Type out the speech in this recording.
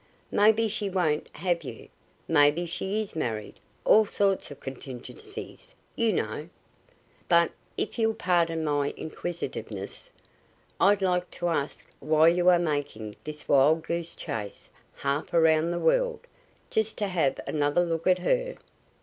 "Maybe she won't have you maybe she is married all sorts of contingencies, you know. But, if you'll pardon my inquisitiveness, I'd like to ask why you are making this wild goose chase half around the world? just to have another look at her?"